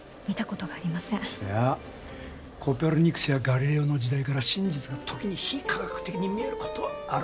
いやコペルニクスやガリレオの時代から真実が時に非科学的に見える事はある。